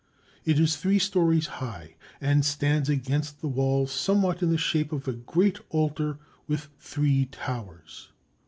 It is three stories high and stands against the wall somewhat in the shape of a great altar with three towers.